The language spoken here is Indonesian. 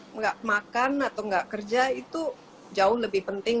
tidak makan atau tidak kerja itu jauh lebih penting